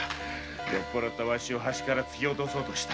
酔ったわしを橋から突き落とそうとした。